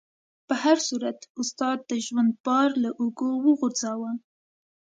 په هر صورت استاد د ژوند بار له اوږو وغورځاوه.